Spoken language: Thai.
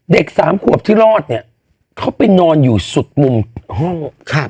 เด็ก๓ขวบที่รอดเข้าไปนอนอยู่สุดมุมห้อง